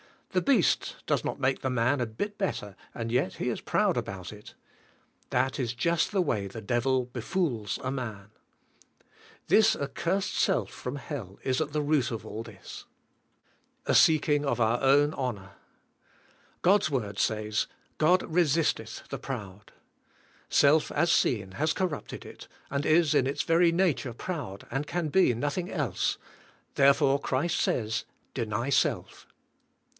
The beast does not make the man a bit better and yet he is proud about it. That is just the way the Devil befools a man. This ac cursed self from hell is at the root of all this. A I^HK SKLF I,IFK S3 seeking of our own honor. God's word says, God resistetli the proud. Self as seen has corrupted it, and is in its very nature proud and can be nothing else, therefore Christ says, deny self.